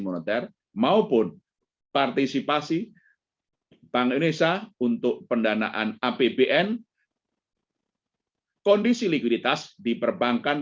moneter maupun partisipasi bang nisa untuk pendanaan abbn kondisi likuiditas diperbankan